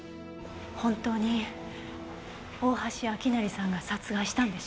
本当に大橋明成さんが殺害したんでしょうか？